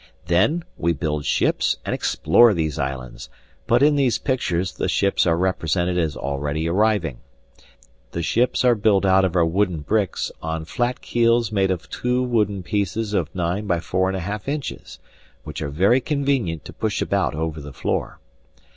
Then we build ships and explore these islands, but in these pictures the ships are represented as already arriving. The ships are built out of our wooden bricks on flat keels made of two wooden pieces of 9 x 4 1/2; inches, which are very convenient to push about over the floor.